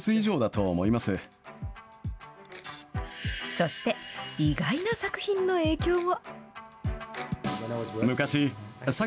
そして、意外な作品の影響も。